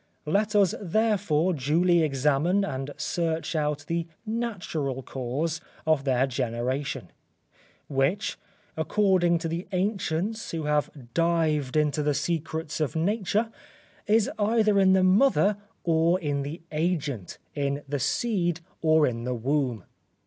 Let us therefore duly examine and search out the natural cause of their generation, which (according to the ancients who have dived into the secrets of nature) is either in the mother or in the agent, in the seed, or in the womb.